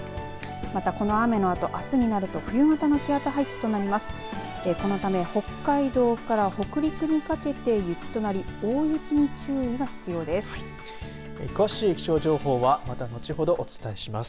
また、この雨のあと夜になると冬型の気圧配置になります。